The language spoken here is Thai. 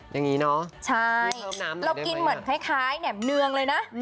อย่างนี้เนอะพูดเพิ่มน้ำหน่อยได้ไหมเนี่ยใช่เรากินเหมือนคล้ายแหน่มเนืองเลยนะ